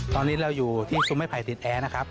ตอนนี้เราอยู่ที่ซุมเมภัยติดแอนะครับ